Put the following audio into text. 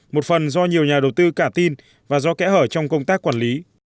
một phần do nhiều nhà đầu tư cả tin và do kẽ hở trong công tác quản lý